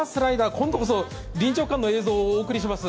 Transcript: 今度こそ臨場感のある映像お送りします。